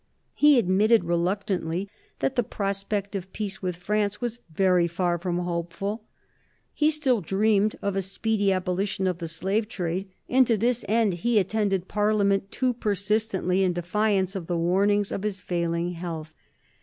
He admitted, reluctantly, that the prospect of peace with France was very far from hopeful. He still dreamed of a speedy abolition of the Slave Trade, and to this end he attended Parliament too persistently in defiance of the warnings of his failing health.